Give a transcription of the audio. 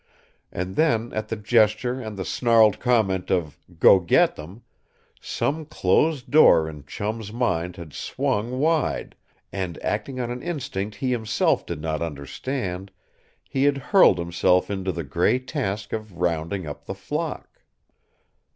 And then at the gesture and the snarled command of "Go get them!" some closed door in Chum's mind had swung wide, and, acting on an instinct he himself did not understand, he had hurled himself into the gay task of rounding up the flock.